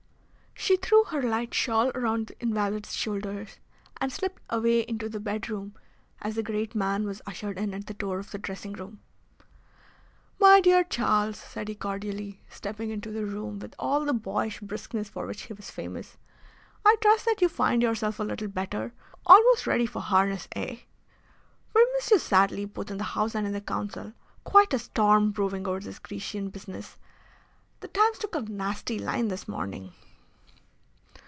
She threw her light shawl round the invalid's shoulders, and slipped away into the bed room as the great man was ushered in at the door of the dressing room. "My dear Charles," said he cordially, stepping into the room with all the boyish briskness for which he was famous, "I trust that you find yourself a little better. Almost ready for harness, eh? We miss you sadly, both in the House and in the Council. Quite a storm brewing over this Grecian business. The Times took a nasty line this morning."